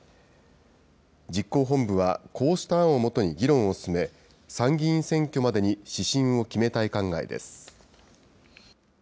実行本部は、こうした案をもとに議論を進め、参議院選挙までに指針を決めたい考えです。